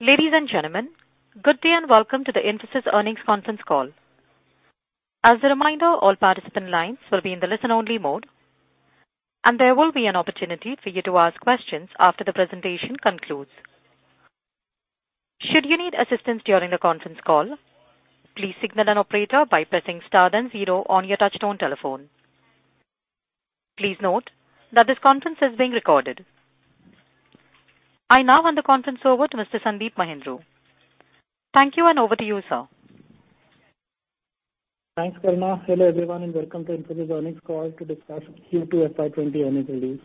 Ladies and gentlemen, good day and welcome to the Infosys earnings conference call. As a reminder, all participant lines will be in the listen only mode, and there will be an opportunity for you to ask questions after the presentation concludes. Should you need assistance during the conference call, please signal an operator by pressing star then zero on your touchtone telephone. Please note that this conference is being recorded. I now hand the conference over to Mr. Sandeep Mahindroo. Thank you, over to you, sir. Thanks, Karima. Hello, everyone, welcome to Infosys earnings call to discuss Q2 FY20 earnings release.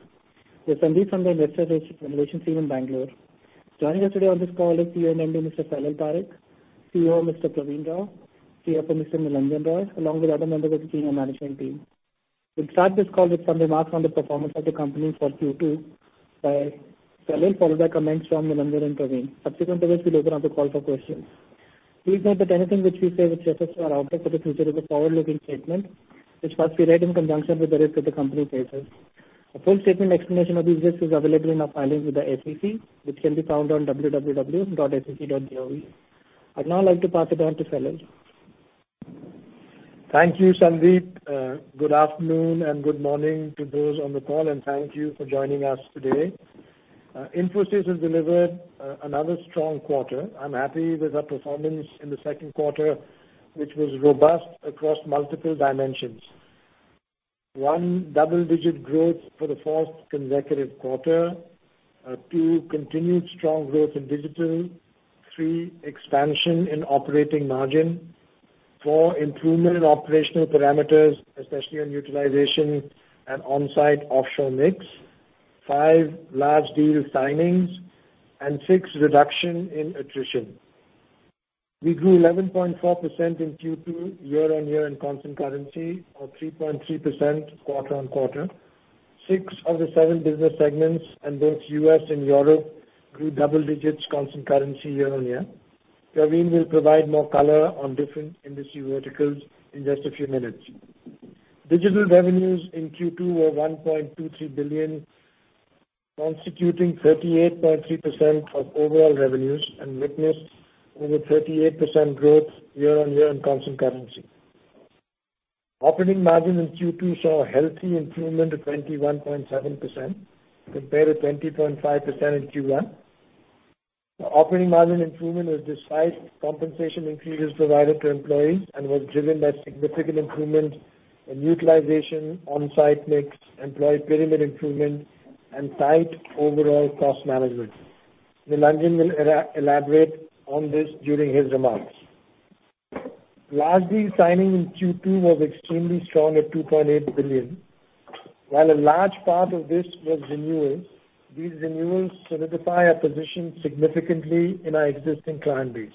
We have Sandeep from the Investor Relations team in Bangalore. Joining us today on this call is COO and MD, Mr. Salil Parekh, CEO, Mr. Pravin Rao, CFO, Mr. Nilanjan Roy, along with other members of the senior management team. We'll start this call with some remarks on the performance of the company for Q2 by Salil, followed by comments from Nilanjan and Pravin. Subsequent to this, we'll open up the call for questions. Please note that anything which we say which refers to our outlook for the future is a forward-looking statement which must be read in conjunction with the rest of the company's papers. A full statement explanation of these risks is available in our filings with the SEC, which can be found on www.sec.gov. I'd now like to pass it on to Salil. Thank you, Sandeep. Good afternoon and good morning to those on the call, and thank you for joining us today. Infosys has delivered another strong quarter. I'm happy with our performance in the second quarter, which was robust across multiple dimensions. One, double-digit growth for the fourth consecutive quarter. Two, continued strong growth in digital. Three, expansion in operating margin. Four, improvement in operational parameters, especially on utilization and onsite-offshore mix. Five, large deal signings. Six, reduction in attrition. We grew 11.4% in Q2 year-on-year in constant currency or 3.3% quarter-on-quarter. six of the seven business segments in both U.S. and Europe grew double digits constant currency year-on-year. Pravin will provide more color on different industry verticals in just a few minutes. Digital revenues in Q2 were $1.23 billion, constituting 38.3% of overall revenues, and witnessed over 38% growth year-on-year in constant currency. Operating margin in Q2 saw a healthy improvement of 21.7% compared to 20.5% in Q1. Operating margin improvement was despite compensation increases provided to employees and was driven by significant improvement in utilization, onsite mix, employee pyramid improvement, and tight overall cost management. Nilanjan will elaborate on this during his remarks. Large deal signing in Q2 was extremely strong at $2.8 billion. While a large part of this was renewals, these renewals solidify our position significantly in our existing client base.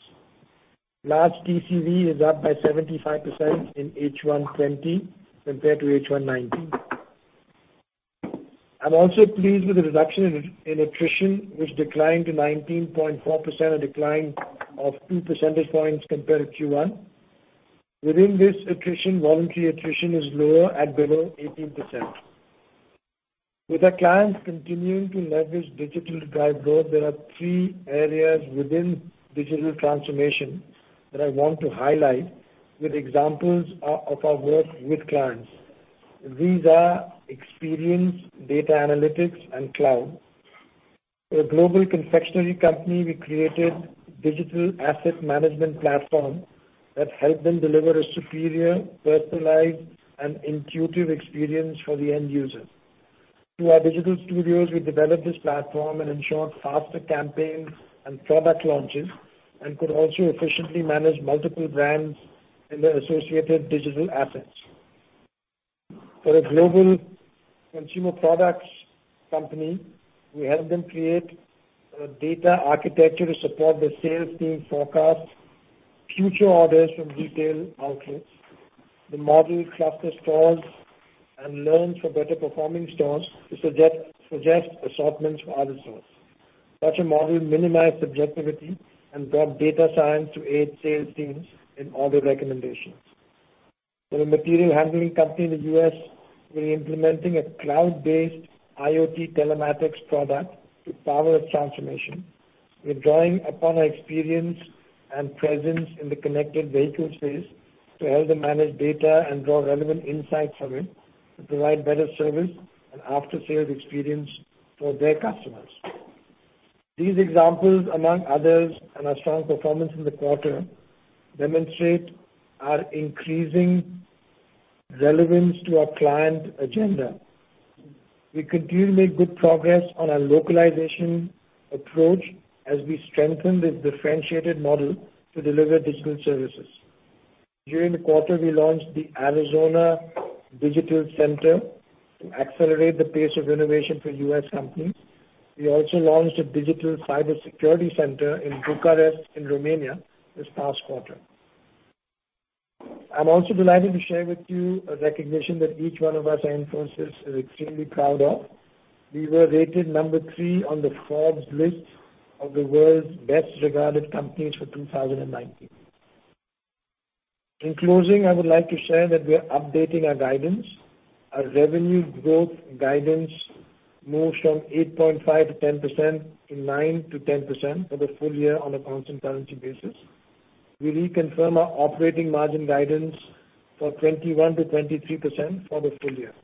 Large TCV is up by 75% in H120 compared to H119. I'm also pleased with the reduction in attrition, which declined to 19.4%, a decline of 2 percentage points compared to Q1. Within this attrition, voluntary attrition is lower at below 18%. With our clients continuing to leverage digital-driven growth, there are three areas within digital transformation that I want to highlight with examples of our work with clients. These are experience, data analytics, and cloud. For a global confectionery company, we created digital asset management platform that helped them deliver a superior, personalized, and intuitive experience for the end user. Through our digital studios, we developed this platform and ensured faster campaigns and product launches and could also efficiently manage multiple brands and their associated digital assets. For a global consumer products company, we helped them create a data architecture to support the sales team forecast future orders from retail outlets. The model clusters stores and learns from better performing stores to suggest assortments for other stores. Such a model minimized subjectivity and brought data science to aid sales teams in order recommendations. For a material handling company in the U.S., we're implementing a cloud-based IoT telematics product to power its transformation. We're drawing upon our experience and presence in the connected vehicles space to help them manage data and draw relevant insights from it to provide better service and after-sales experience for their customers. These examples, among others, and our strong performance in the quarter demonstrate our increasing relevance to our client agenda. We continue to make good progress on our localization approach as we strengthen this differentiated model to deliver digital services. During the quarter, we launched the Arizona Digital Center to accelerate the pace of innovation for U.S. companies. We also launched a digital cybersecurity center in Bucharest in Romania this past quarter. I am also delighted to share with you a recognition that each one of us at Infosys is extremely proud of. We were rated number three on the Forbes list of the world's best-regarded companies for 2019. In closing, I would like to share that we are updating our guidance. Our revenue growth guidance moves from 8.5%-10%, to 9%-10% for the full year on a constant currency basis. We reconfirm our operating margin guidance for 21%-23% for the full year.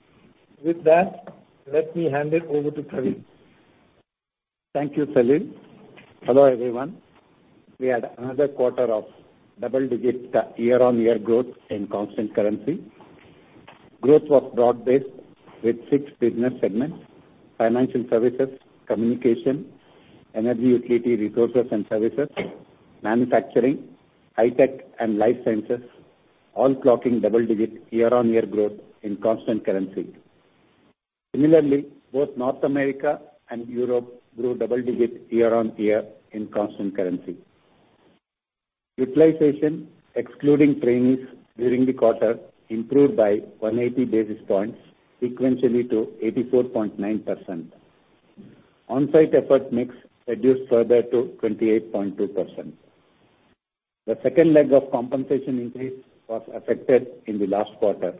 With that, let me hand it over to Pravin. Thank you, Salil. Hello, everyone. We had another quarter of double-digit year-on-year growth in constant currency. Growth was broad-based with six business segments, financial services, communication, energy utility resources and services, manufacturing, high tech and life sciences, all clocking double-digit year-on-year growth in constant currency. Similarly, both North America and Europe grew double digits year-on-year in constant currency. Utilization, excluding trainees during the quarter, improved by 180 basis points sequentially to 84.9%. On-site effort mix reduced further to 28.2%. The second leg of compensation increase was affected in the last quarter.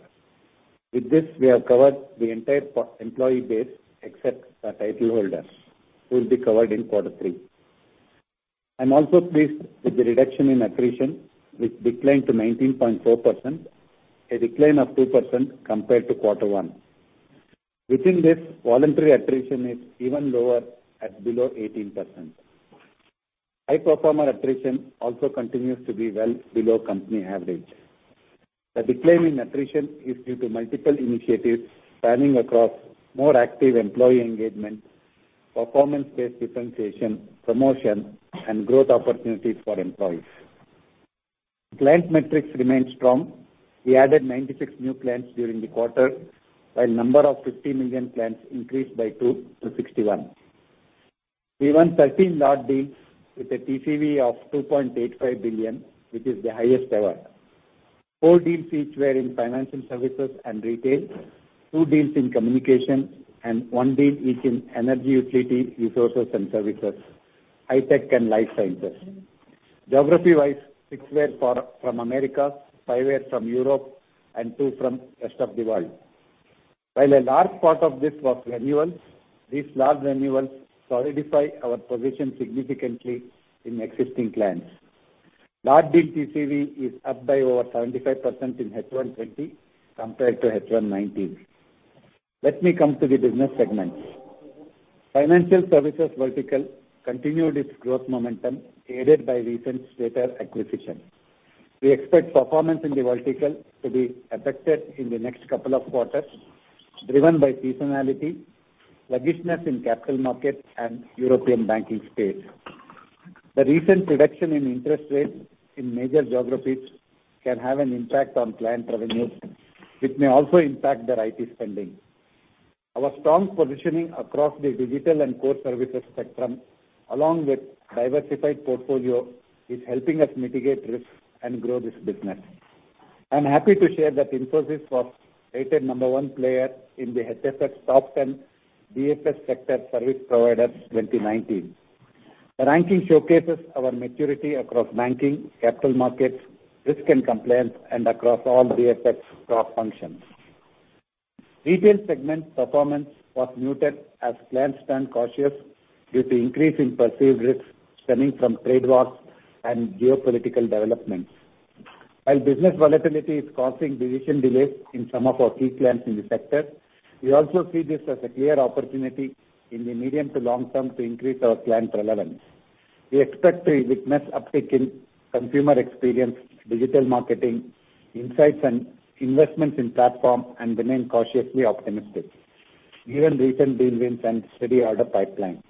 With this, we have covered the entire employee base except the title holders, who will be covered in quarter three. I'm also pleased with the reduction in attrition, which declined to 19.4%, a decline of 2% compared to quarter one. Within this, voluntary attrition is even lower at below 18%. High performer attrition also continues to be well below company average. The decline in attrition is due to multiple initiatives spanning across more active employee engagement, performance-based differentiation, promotion, and growth opportunities for employees. Client metrics remain strong. We added 96 new clients during the quarter, while number of 50 million clients increased by 2 to 61. We won 13 large deals with a TCV of $2.85 billion, which is the highest ever. Four deals each were in financial services and retail, 2 deals in communication, 1 deal each in energy utility resources and services, high tech and life sciences. Geography-wise, 6 were from America, 5 were from Europe, 2 from rest of the world. While a large part of this was renewals, these large renewals solidify our position significantly in existing clients. Large deal TCV is up by over 75% in H120 compared to H119. Let me come to the business segments. Financial services vertical continued its growth momentum, aided by recent Stater acquisition. We expect performance in the vertical to be affected in the next couple of quarters, driven by seasonality, sluggishness in capital markets, and European banking space. The recent reduction in interest rates in major geographies can have an impact on client revenues, which may also impact their IT spending. Our strong positioning across the digital and core services spectrum, along with diversified portfolio, is helping us mitigate risks and grow this business. I'm happy to share that Infosys was rated number 1 player in the HFS Top 10 BFS Sector Service Providers 2019. The ranking showcases our maturity across banking, capital markets, risk and compliance, and across all BFS top functions. Retail segment performance was muted as clients stand cautious due to increase in perceived risks stemming from trade wars and geopolitical developments. While business volatility is causing decision delays in some of our key clients in the sector, we also see this as a clear opportunity in the medium to long term to increase our client relevance. We expect to witness uptick in consumer experience, digital marketing, insights and investments in platform, and remain cautiously optimistic given recent deal wins and steady order pipeline.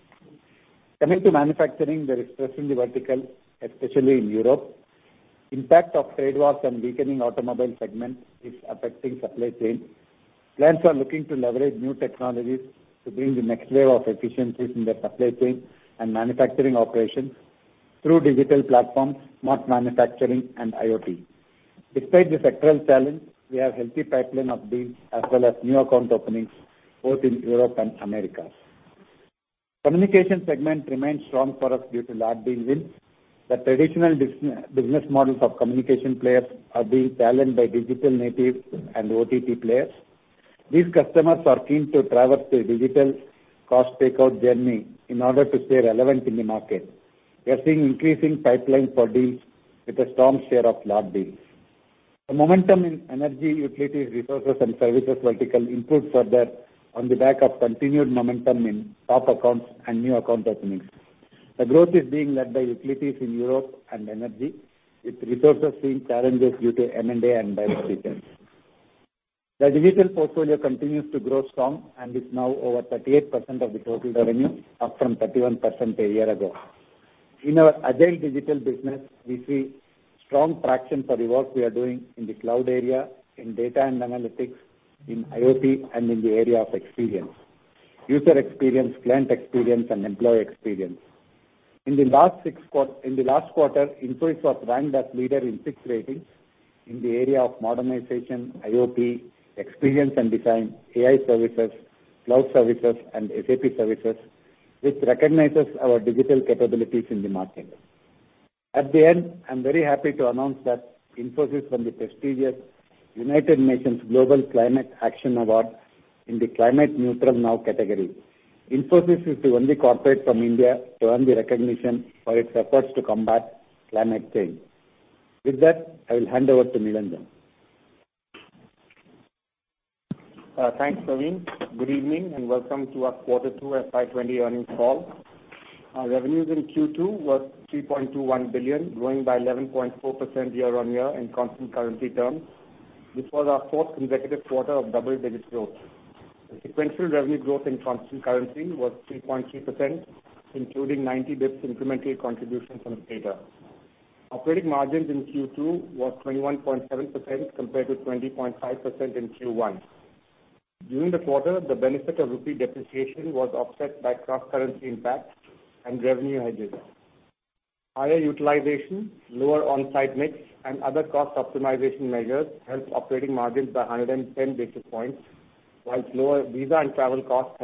Coming to manufacturing, there is stress in the vertical, especially in Europe. Impact of trade wars and weakening automobile segment is affecting supply chain. Clients are looking to leverage new technologies to bring the next wave of efficiencies in their supply chain and manufacturing operations through digital platforms, smart manufacturing, and IoT. Despite the sectoral challenge, we have healthy pipeline of deals as well as new account openings both in Europe and America. Communication segment remains strong for us due to large deal wins. The traditional business models of communication players are being challenged by digital natives and OTT players. These customers are keen to traverse a digital cost takeout journey in order to stay relevant in the market. We are seeing increasing pipeline for deals with a strong share of large deals. The momentum in energy, utilities, resources, and services vertical improved further on the back of continued momentum in top accounts and new account openings. The growth is being led by utilities in Europe and energy, with resources seeing challenges due to M&A and divestitures. The digital portfolio continues to grow strong and is now over 38% of the total revenue, up from 31% a year ago. In our agile digital business, we see strong traction for the work we are doing in the cloud area, in data and analytics, in IoT, and in the area of experience. User experience, client experience, and employee experience. In the last quarter, Infosys was ranked as leader in six ratings in the area of modernization, IoT, experience and design, AI services, cloud services, and SAP services, which recognizes our digital capabilities in the market. At the end, I am very happy to announce that Infosys won the prestigious United Nations Global Climate Action Award in the Climate Neutral Now category. Infosys is the only corporate from India to earn the recognition for its efforts to combat climate change. With that, I will hand over to Nilanjan. Thanks, Pravin. Good evening, and welcome to our Quarter 2 FY 2020 earnings call. Our revenues in Q2 were $3.21 billion, growing by 11.4% year-on-year in constant currency terms. This was our fourth consecutive quarter of double-digit growth. The sequential revenue growth in constant currency was 3.3%, including 90 basis points incremental contribution from Stater. Operating margins in Q2 were 21.7%, compared to 20.5% in Q1. During the quarter, the benefit of rupee depreciation was offset by cross-currency impact and revenue hedges. Higher utilization, lower on-site mix, and other cost optimization measures helped operating margins by 110 basis points, while lower visa and travel costs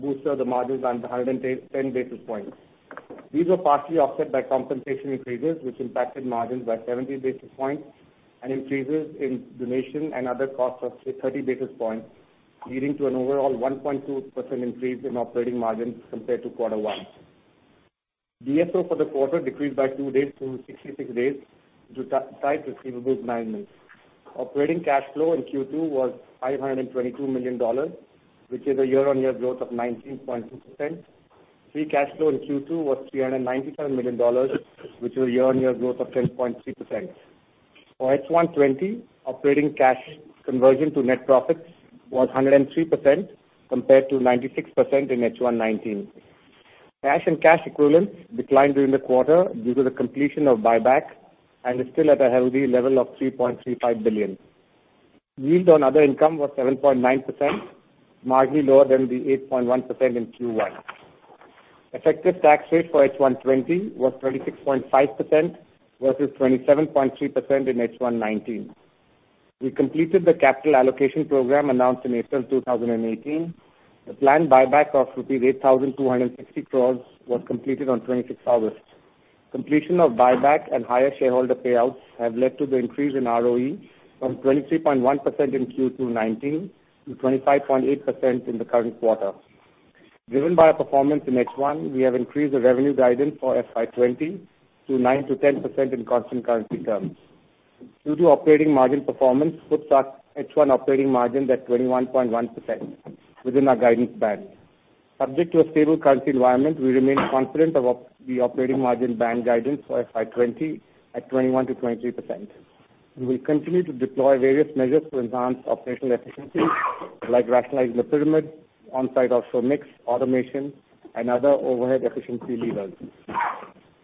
boosted the margins by 110 basis points. These were partially offset by compensation increases, which impacted margins by 70 basis points and increases in donation and other costs of 30 basis points, leading to an overall 1.2% increase in operating margins compared to quarter one. DSO for the quarter decreased by two days to 66 days due to tight receivables management. Operating cash flow in Q2 was $522 million, which is a year-over-year growth of 19.2%. Free cash flow in Q2 was $397 million, which is a year-over-year growth of 10.3%. For H1 2020, operating cash conversion to net profits was 103%, compared to 96% in H1 2019. Cash and cash equivalents declined during the quarter due to the completion of buyback and is still at a healthy level of 3.35 billion. Yield on other income was 7.9%, marginally lower than the 8.1% in Q1. Effective tax rate for H1 2020 was 36.5%, versus 27.3% in H1 2019. We completed the capital allocation program announced in April 2018. The planned buyback of INR 8,260 crores was completed on 26 August. Completion of buyback and higher shareholder payouts have led to the increase in ROE from 23.1% in Q2 '19 to 25.8% in the current quarter. Driven by our performance in H1, we have increased the revenue guidance for FY20 to 9%-10% in constant currency terms. Due to operating margin performance, full stack H1 operating margin at 21.1% within our guidance band. Subject to a stable currency environment, we remain confident of the operating margin band guidance for FY20 at 21%-23%. We will continue to deploy various measures to enhance operational efficiencies, like rationalizing the pyramid, on-site offshore mix, automation, and other overhead efficiency levers.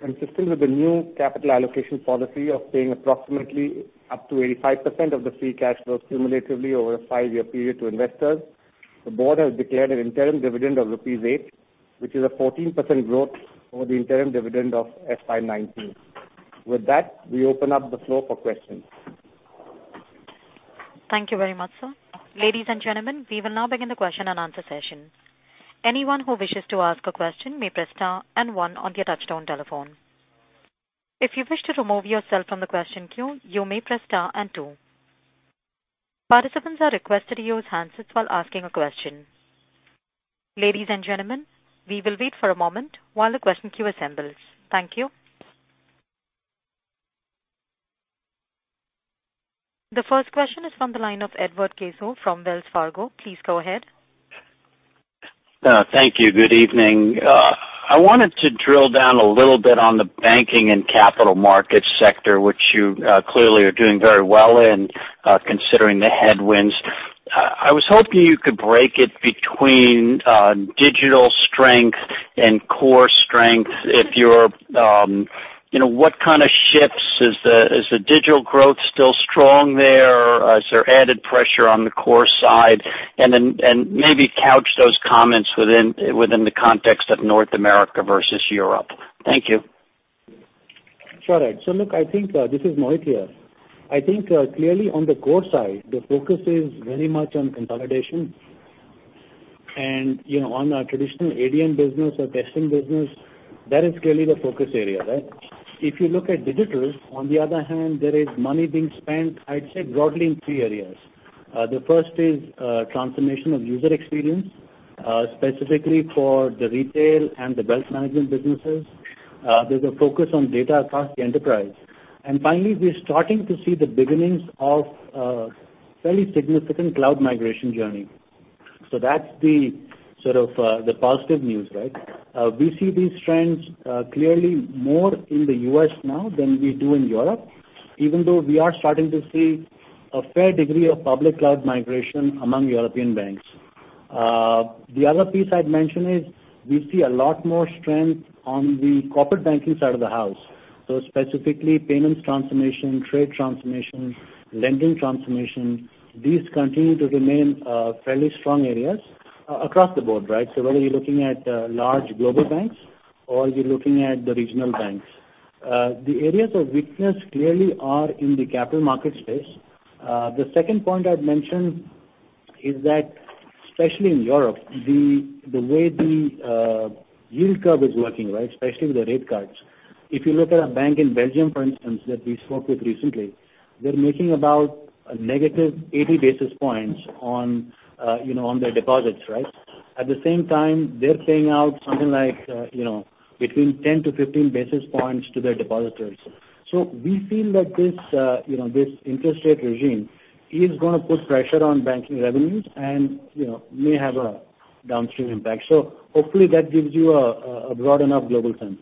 Consistent with the new capital allocation policy of paying approximately up to 85% of the free cash flow cumulatively over a five-year period to investors, the board has declared an interim dividend of rupees 8, which is a 14% growth over the interim dividend of FY 2019. With that, we open up the floor for questions. Thank you very much, sir. Ladies and gentlemen, we will now begin the question and answer session. Anyone who wishes to ask a question may press star and one on their touchtone telephone. If you wish to remove yourself from the question queue, you may press star and two. Participants are requested to use handsets while asking a question. Ladies and gentlemen, we will wait for a moment while the question queue assembles. Thank you. The first question is from the line of Edward Caso from Wells Fargo. Please go ahead. Thank you. Good evening. I wanted to drill down a little bit on the banking and capital markets sector, which you clearly are doing very well in, considering the headwinds. I was hoping you could break it between digital strength and core strength. What kind of shifts is the digital growth still strong there, or is there added pressure on the core side? Then maybe couch those comments within the context of North America versus Europe. Thank you. Sure. Look, this is Mohit here. I think clearly on the core side, the focus is very much on consolidation. On our traditional ADM business or testing business, that is clearly the focus area, right? If you look at digital, on the other hand, there is money being spent, I'd say, broadly in three areas. The first is transformation of user experience, specifically for the retail and the wealth management businesses. There's a focus on data across the enterprise. Finally, we're starting to see the beginnings of a fairly significant cloud migration journey. That's the positive news, right? We see these trends clearly more in the U.S. now than we do in Europe, even though we are starting to see a fair degree of public cloud migration among European banks. The other piece I'd mention is we see a lot more strength on the corporate banking side of the house, specifically payments transformation, trade transformation, lending transformation. These continue to remain fairly strong areas across the board, right, whether you're looking at large global banks, or you're looking at the regional banks. The areas of weakness clearly are in the capital market space. The second point I'd mention is that especially in Europe, the way the yield curve is working, especially with the rate cuts. If you look at a bank in Belgium, for instance, that we spoke with recently, they're making about a negative 80 basis points on their deposits. At the same time, they're paying out something like between 10 to 15 basis points to their depositors. We feel that this interest rate regime is going to put pressure on banking revenues and may have a downstream impact. Hopefully that gives you a broad enough global sense.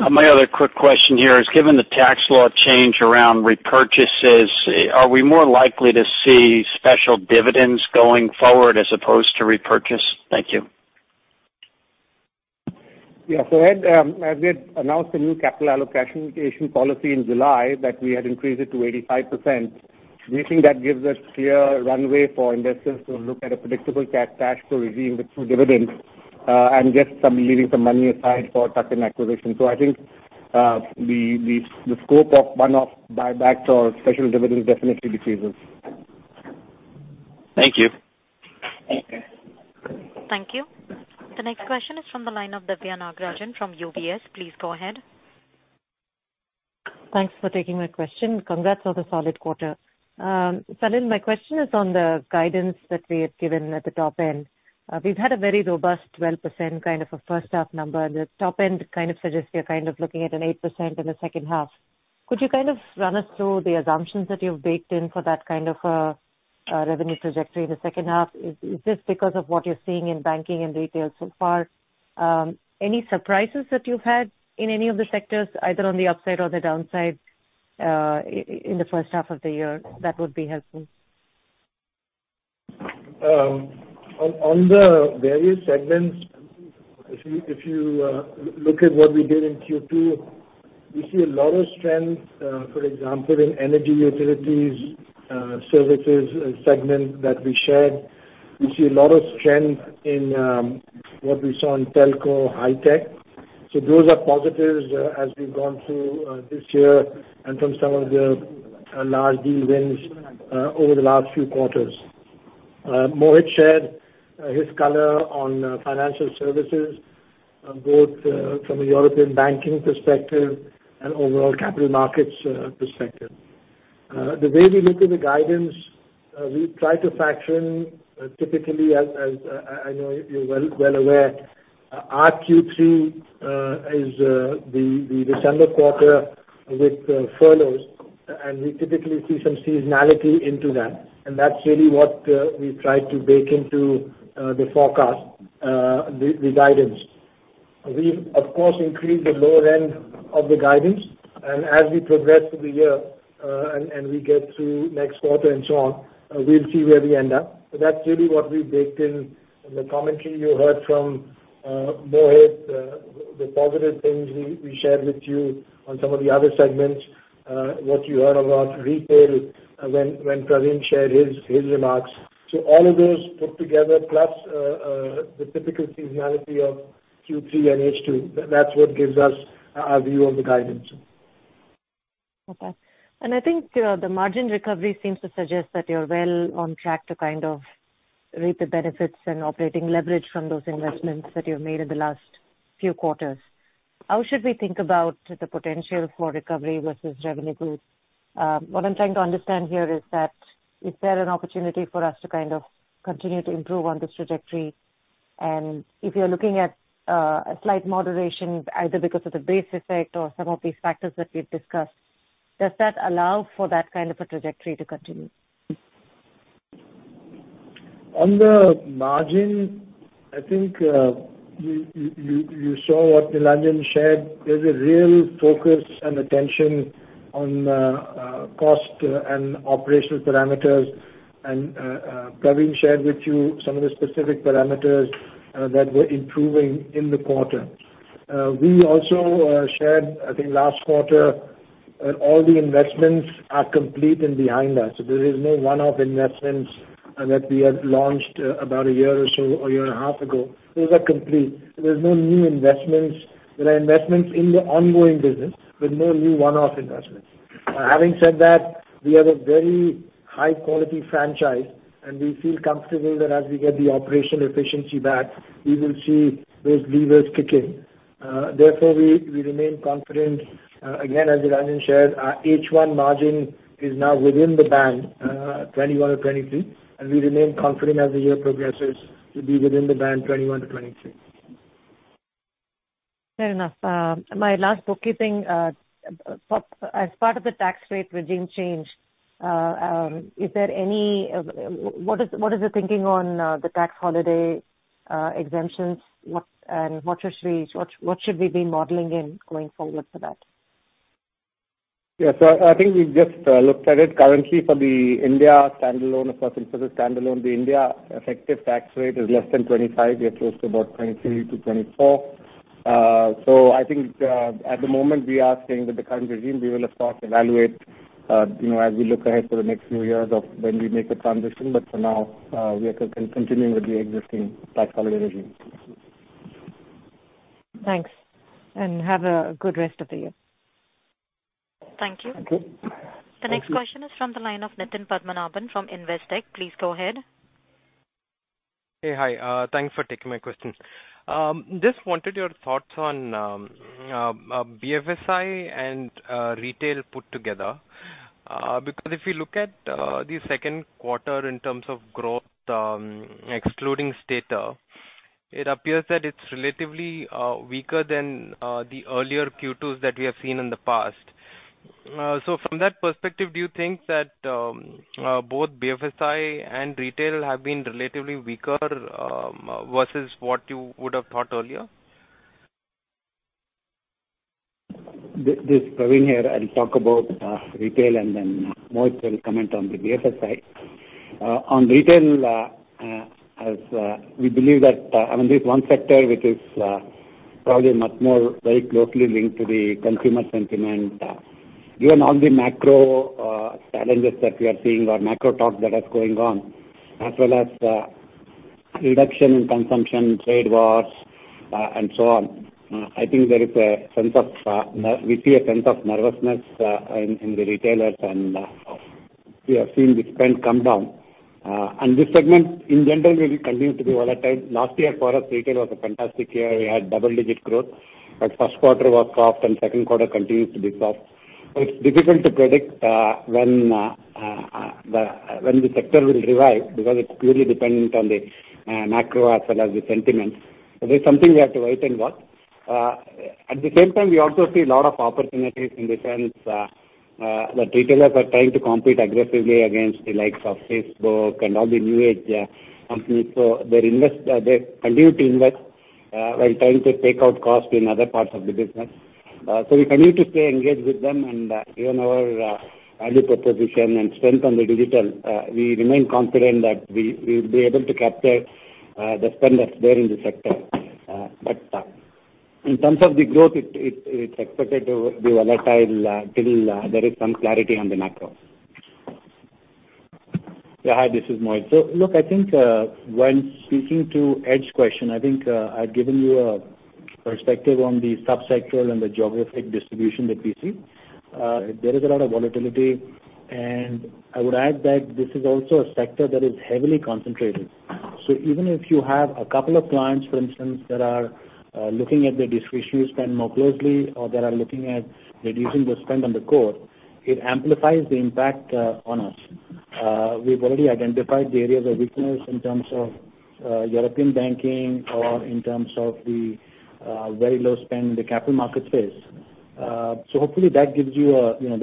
My other quick question here is, given the tax law change around repurchases, are we more likely to see special dividends going forward as opposed to repurchase? Thank you. Yeah. Ed, as we had announced a new capital allocation policy in July that we had increased it to 85%, we think that gives a clear runway for investors to look at a predictable cash flow regime with true dividends and just leaving some money aside for tuck-in acquisition. I think the scope of one-off buybacks or special dividends definitely decreases. Thank you. Thank you. The next question is from the line of Diviya Nagarajan from UBS. Please go ahead. Thanks for taking my question. Congrats on the solid quarter. Salil, my question is on the guidance that we had given at the top end. We've had a very robust 12% kind of a first half number. The top end kind of suggests we are kind of looking at an 8% in the second half. Could you kind of run us through the assumptions that you've baked in for that kind of a revenue trajectory in the second half? Is this because of what you're seeing in banking and retail so far? Any surprises that you've had in any of the sectors, either on the upside or the downside, in the first half of the year? That would be helpful. On the various segments, if you look at what we did in Q2, we see a lot of strength, for example, in energy utilities services segment that we shared. We see a lot of strength in what we saw in telco, high tech. Those are positives as we've gone through this year and from some of the large deal wins over the last few quarters. Mohit shared his color on financial services, both from a European banking perspective and overall capital markets perspective. The way we look at the guidance, we try to factor in typically, as I know you're well aware, our Q3 is the December quarter with furloughs, and we typically see some seasonality into that, and that's really what we've tried to bake into the forecast, the guidance. We've, of course, increased the lower end of the guidance, and as we progress through the year and we get to next quarter and so on, we'll see where we end up. That's really what we baked in. In the commentary you heard from Mohit, the positive things we shared with you on some of the other segments, what you heard about retail when Pravin shared his remarks. All of those put together, plus the typical seasonality of Q3 and H2, that's what gives us our view on the guidance. Okay. I think the margin recovery seems to suggest that you're well on track to kind of reap the benefits and operating leverage from those investments that you've made in the last few quarters. How should we think about the potential for recovery versus revenue growth? What I'm trying to understand here is that is there an opportunity for us to kind of continue to improve on this trajectory? If you're looking at a slight moderation, either because of the base effect or some of these factors that we've discussed, does that allow for that kind of a trajectory to continue? On the margin, I think you saw what Nilanjan shared. There's a real focus and attention on cost and operational parameters. Pravin shared with you some of the specific parameters that were improving in the quarter. We also shared, I think, last quarter that all the investments are complete and behind us. There is no one-off investments that we had launched about a year or so, or a year and a half ago. Those are complete. There's no new investments. There are investments in the ongoing business, but no new one-off investments. Having said that, we have a very high-quality franchise. We feel comfortable that as we get the operational efficiency back, we will see those levers kick in. Therefore, we remain confident. As Nilanjan shared, our H1 margin is now within the band, 21%-23%, and we remain confident as the year progresses to be within the band 21%-23%. Fair enough. My last bookkeeping. As part of the tax rate regime change, what is the thinking on the tax holiday exemptions, and what should we be modeling in going forward for that? Yeah. I think we've just looked at it currently for the India standalone. Of course, Infosys standalone, the India effective tax rate is less than 25, year close to about 23 to 24. I think at the moment we are saying with the current regime we will, of course, evaluate as we look ahead to the next few years of when we make a transition. For now, we are continuing with the existing tax holiday regime. Thanks, and have a good rest of the year. Thank you. Okay. Thank you. The next question is from the line of Nitin Padmanabhan from Investec. Please go ahead. Hey. Hi. Thanks for taking my question. Just wanted your thoughts on BFSI and retail put together. If you look at the second quarter in terms of growth, excluding Stater, it appears that it's relatively weaker than the earlier Q2s that we have seen in the past. From that perspective, do you think that both BFSI and retail have been relatively weaker versus what you would have thought earlier? This is Pravin here. I'll talk about retail and then Mohit will comment on the BFSI. On retail, we believe that this one sector, which is probably much more very closely linked to the consumer sentiment. Given all the macro challenges that we are seeing or macro talk that is going on, as well as reduction in consumption, trade wars and so on, I think we see a sense of nervousness in the retailers, and we have seen the spend come down. This segment in general will continue to be volatile. Last year for us, retail was a fantastic year. We had double-digit growth, first quarter was soft and second quarter continues to be soft. It's difficult to predict when the sector will revive because it's purely dependent on the macro as well as the sentiment. That's something we have to wait and watch. At the same time, we also see a lot of opportunities in the sense that retailers are trying to compete aggressively against the likes of Facebook and all the new age companies. They continue to invest while trying to take out cost in other parts of the business. We continue to stay engaged with them and given our value proposition and strength on the digital, we remain confident that we will be able to capture the spend that's there in the sector. In terms of the growth, it's expected to be volatile till there is some clarity on the macro. Yeah. Hi, this is Mohit. Look, I think when speaking to Edward question, I think I've given you a perspective on the sub-sectoral and the geographic distribution that we see. There is a lot of volatility, and I would add that this is also a sector that is heavily concentrated. Even if you have a couple of clients, for instance, that are looking at their discretionary spend more closely or that are looking at reducing the spend on the core, it amplifies the impact on us. We've already identified the areas of weakness in terms of European banking or in terms of the very low spend in the capital market space. Hopefully that gives you a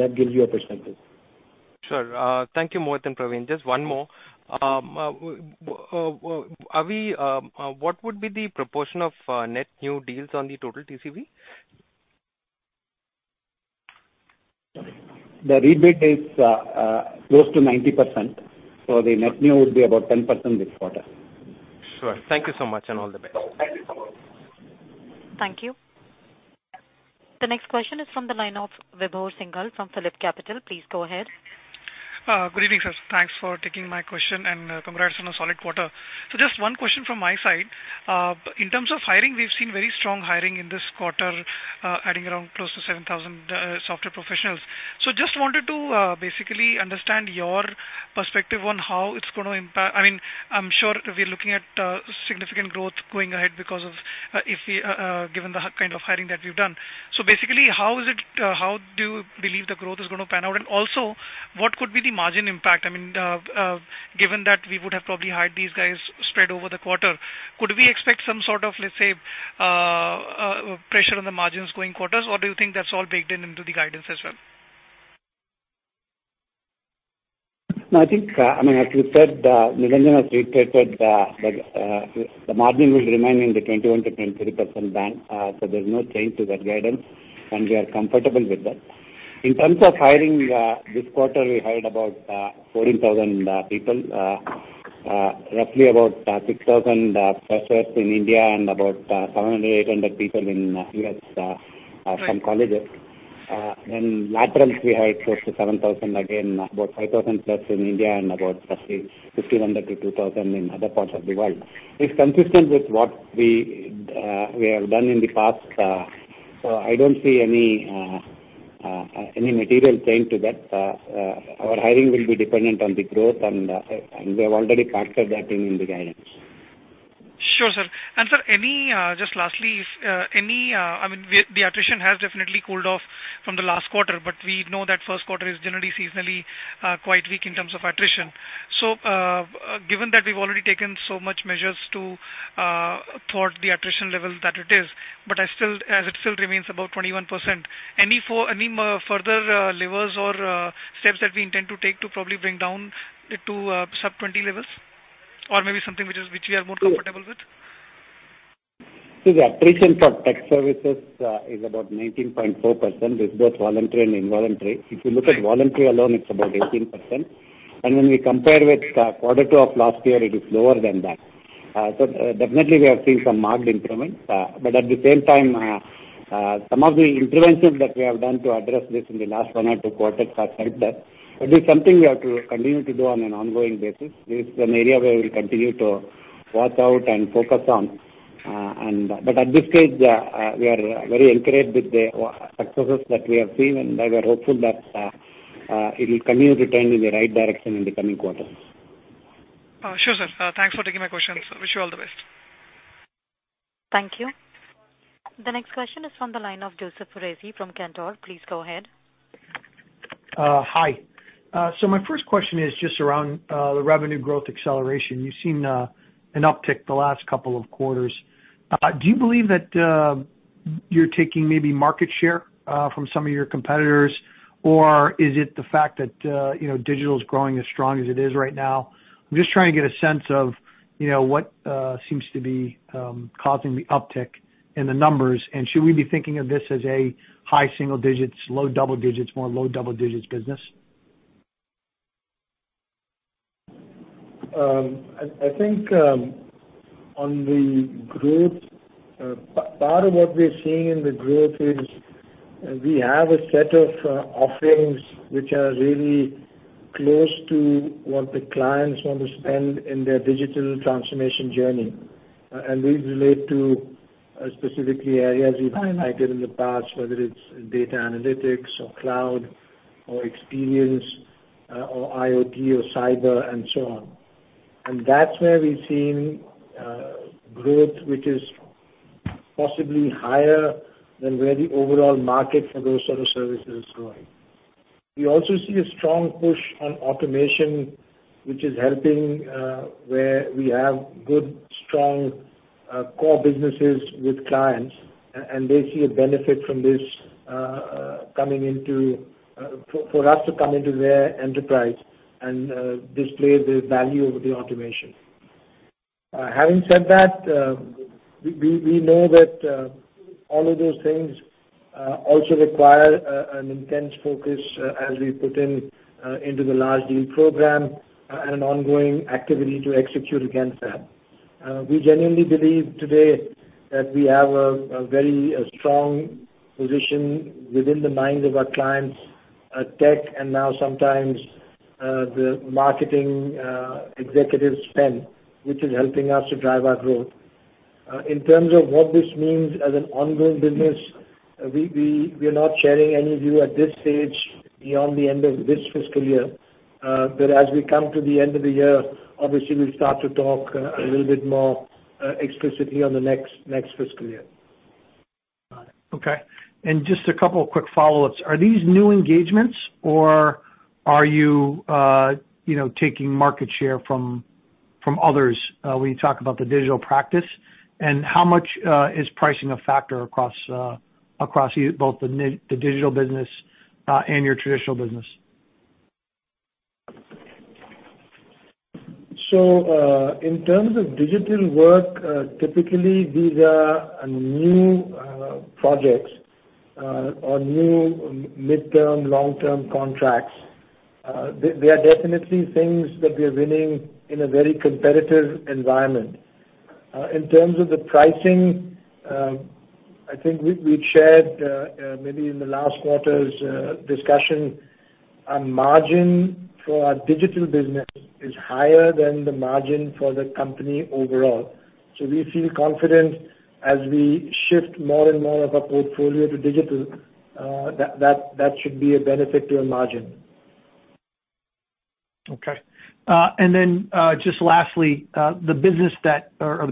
perspective. Sure. Thank you, Mohit and Pravin. Just one more. What would be the proportion of net new deals on the total TCV? The rebate is close to 90%, so the net new would be about 10% this quarter. Sure. Thank you so much, and all the best. Thank you so much. Thank you. The next question is from the line of Vibhor Singhal from PhillipCapital. Please go ahead. Good evening, sir. Thanks for taking my question, and congrats on a solid quarter. Just one question from my side. In terms of hiring, we've seen very strong hiring in this quarter, adding around close to 7,000 software professionals. Just wanted to basically understand your perspective on how it's going to impact. I'm sure we're looking at significant growth going ahead given the kind of hiring that we've done. Basically, how do you believe the growth is going to pan out? Also, what could be the margin impact? Given that we would have probably hired these guys spread over the quarter, could we expect some sort of, let's say, pressure on the margins going quarters? Do you think that's all baked in into the guidance as well? I think, as you said, Nilanjan has reiterated that the margin will remain in the 21%-23% band. There's no change to that guidance, and we are comfortable with that. In terms of hiring, this quarter we hired about 14,000 people. Roughly about 6,000 freshers in India and about 700-800 people in U.S. from colleges. Laterals we hired close to 7,000. About 5,000 plus in India and about 1,500-2,000 in other parts of the world. It's consistent with what we have done in the past. I don't see any material change to that. Our hiring will be dependent on the growth, and we have already factored that in in the guidance. Sure, sir. Sir, just lastly, the attrition has definitely cooled off from the last quarter. We know that first quarter is generally seasonally quite weak in terms of attrition. Given that we've already taken so much measures towards the attrition level that it is, but as it still remains about 21%, any further levers or steps that we intend to take to probably bring down to sub 20 levels? Maybe something which we are more comfortable with? The attrition for tech services is about 19.4% with both voluntary and involuntary. If you look at voluntary alone, it's about 18%, when we compare with quarter two of last year, it is lower than that. Definitely we are seeing some marked improvement. At the same time, some of the interventions that we have done to address this in the last one or two quarters have helped us. It's something we have to continue to do on an ongoing basis. This is an area where we'll continue to watch out and focus on. At this stage, we are very encouraged with the successes that we have seen, and we are hopeful that it will continue to trend in the right direction in the coming quarters. Sure, sir. Thanks for taking my questions. Wish you all the best. Thank you. The next question is from the line of Joseph Foresi from Cantor. Please go ahead. Hi. My first question is just around the revenue growth acceleration. You've seen an uptick the last couple of quarters. Do you believe that you're taking maybe market share from some of your competitors? Is it the fact that digital is growing as strong as it is right now? I'm just trying to get a sense of what seems to be causing the uptick in the numbers, and should we be thinking of this as a high single digits, low double digits, more low double digits business? I think on the growth, part of what we're seeing in the growth is we have a set of offerings which are really close to what the clients want to spend in their digital transformation journey. These relate to specifically areas we've highlighted in the past, whether it's data analytics or cloud, or experience, or IoT or cyber, and so on. That's where we've seen growth, which is possibly higher than where the overall market for those sort of services is growing. We also see a strong push on automation, which is helping, where we have good, strong, core businesses with clients, and they see a benefit for us to come into their enterprise and display the value of the automation. Having said that, we know that all of those things also require an intense focus as we put in into the large deal program, and an ongoing activity to execute against that. We genuinely believe today that we have a very strong position within the minds of our clients, tech, and now sometimes, the marketing executives spend, which is helping us to drive our growth. In terms of what this means as an ongoing business, we are not sharing any view at this stage beyond the end of this fiscal year. As we come to the end of the year, obviously, we'll start to talk a little bit more explicitly on the next fiscal year. Got it. Okay. Just a couple of quick follow-ups. Are these new engagements or are you taking market share from others when you talk about the digital practice? How much is pricing a factor across both the digital business and your traditional business? In terms of digital work, typically, these are new projects or new midterm, long-term contracts. They are definitely things that we are winning in a very competitive environment. In terms of the pricing, I think we'd shared, maybe in the last quarter's discussion, a margin for our digital business is higher than the margin for the company overall. We feel confident as we shift more and more of our portfolio to digital, that should be a benefit to our margin. Okay. Just lastly, the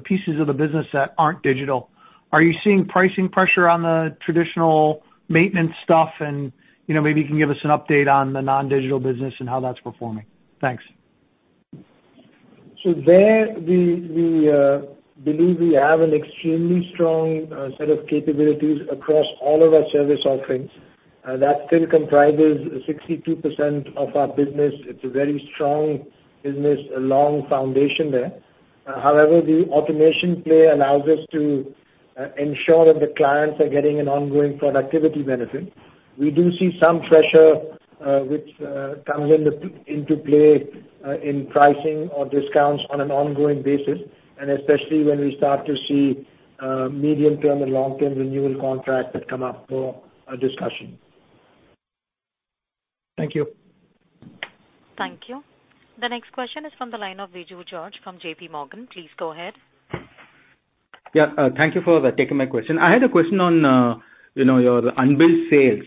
pieces of the business that aren't digital, are you seeing pricing pressure on the traditional maintenance stuff? Maybe you can give us an update on the non-digital business and how that's performing. Thanks. There, we believe we have an extremely strong set of capabilities across all of our service offerings. That still comprises 62% of our business. It's a very strong business, a long foundation there. However, the automation play allows us to ensure that the clients are getting an ongoing productivity benefit. We do see some pressure, which comes into play in pricing or discounts on an ongoing basis, and especially when we start to see medium-term and long-term renewal contracts that come up for a discussion. Thank you. Thank you. The next question is from the line of Viju George from JPMorgan. Please go ahead. Thank you for taking my question. I had a question on your unbilled sales.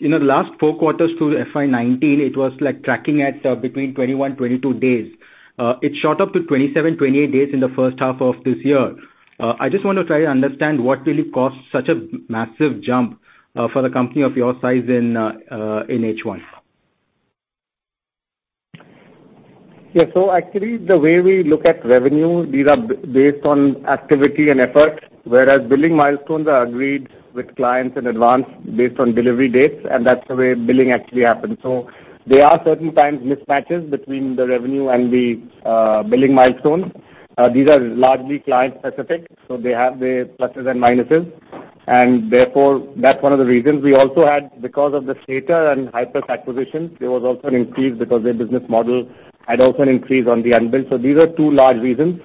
In the last four quarters through FY 2019, it was like tracking at between 21-22 days. It shot up to 27-28 days in the first half of this year. I just want to try to understand what really caused such a massive jump for the company of your size in H1. Actually, the way we look at revenue, these are based on activity and effort, whereas billing milestones are agreed with clients in advance based on delivery dates, and that's the way billing actually happens. There are certain times mismatches between the revenue and the billing milestones. These are largely client-specific, so they have their pluses and minuses. And therefore, that's one of the reasons. We also had, because of the Stater and Hypers acquisitions, there was also an increase because their business model had also an increase on the unbilled. These are two large reasons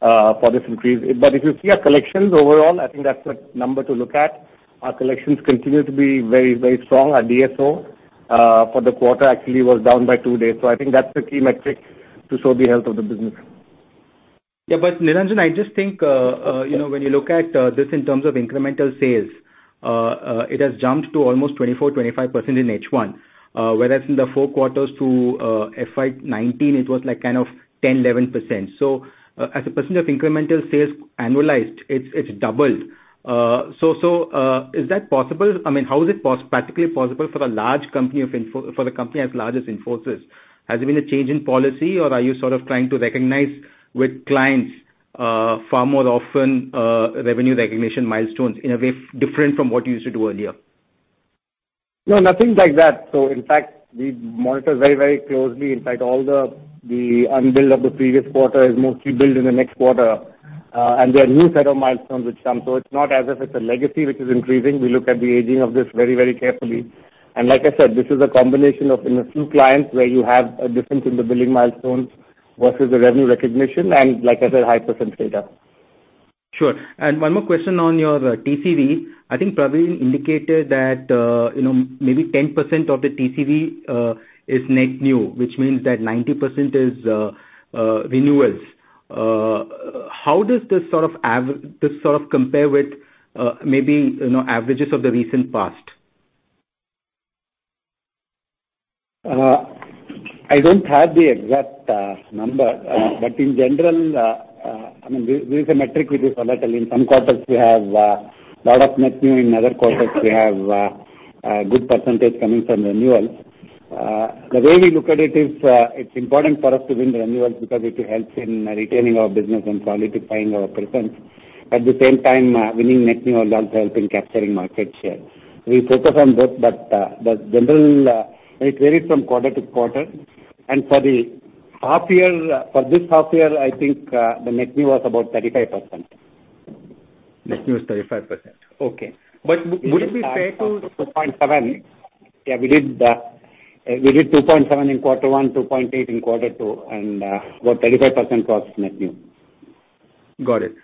for this increase. If you see our collections overall, I think that's the number to look at. Our collections continue to be very strong. Our DSO for the quarter actually was down by two days. I think that's the key metric to show the health of the business. Yeah. Nilanjan, I just think when you look at this in terms of incremental sales, it has jumped to almost 24%, 25% in H1, whereas in the four quarters to FY 2019, it was kind of 10%, 11%. As a percentage of incremental sales annualized, it's doubled. Is that possible? How is it practically possible for a company as large as Infosys? Has there been a change in policy, or are you sort of trying to recognize with clients far more often revenue recognition milestones in a way different from what you used to do earlier? No, nothing like that. In fact, we monitor very closely. In fact, all the unbilled of the previous quarter is mostly billed in the next quarter. There are new set of milestones which come, so it's not as if it's a legacy which is increasing. We look at the aging of this very carefully. Like I said, this is a combination of, in a few clients, where you have a difference in the billing milestones versus the revenue recognition, like I said, Hyperscale data. Sure. One more question on your TCV. I think Pravin indicated that maybe 10% of the TCV is net new, which means that 90% is renewals. How does this sort of compare with maybe averages of the recent past? I don't have the exact number. In general, this is a metric which is volatile. In some quarters, we have a lot of net new. In other quarters, we have a good percentage coming from renewals. The way we look at it is, it's important for us to win renewals because it helps in retaining our business and solidifying our presence. At the same time, winning net new will also help in capturing market share. We focus on both, but in general, it varies from quarter to quarter. For this half year, I think, the net new was about 35%. Net new is 35%. Okay. Would it be fair to- Yeah, we did 2.7% in quarter one, 2.8% in quarter two, and about 35% was net new. Got it.